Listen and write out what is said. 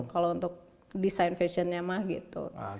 kalau untuk desain fashionnya mah gitu